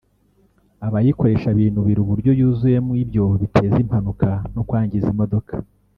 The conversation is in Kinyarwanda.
abayikoresha binubira uburyo yuzuyemo ibyobo biteza impanuka no kwangiza imodoka